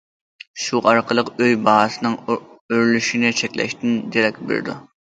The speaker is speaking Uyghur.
شۇ ئارقىلىق ئۆي باھاسىنىڭ ئۆرلىشىنى چەكلەشتىن دېرەك بېرىدۇ.